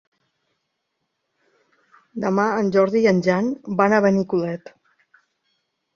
Demà en Jordi i en Jan van a Benicolet.